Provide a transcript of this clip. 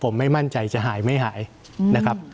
ผมไม่มั่นใจจะหายไม่หายนะครับ